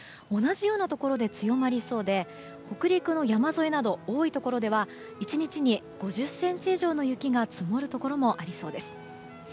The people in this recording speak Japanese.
同じようなところで強まりそうで北陸の山沿いなど多いところでは１日に５０ｃｍ以上の雪が積もるところもありそうです。